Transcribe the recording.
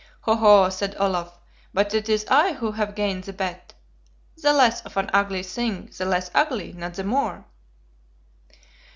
"Ho, ho!" said Olaf; "but it is I who have gained the bet. The less of an ugly thing the less ugly, not the more!"